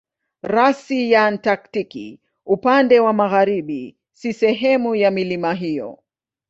Rasi ya Antaktiki upande wa magharibi si sehemu ya milima hiyo.